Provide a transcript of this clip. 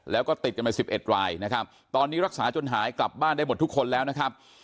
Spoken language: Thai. แล้วก็ติดกันไป๑๑รายนะครับตอนนี้รักษาจนหายกลับบ้านได้หมดทุกคนแล้วนะครับ